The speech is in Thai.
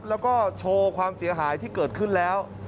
แล้วก็โชว์ความเสียหายที่เกิดขึ้นแล้ว